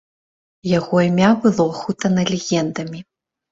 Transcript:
Яго імя было ахутана легендамі.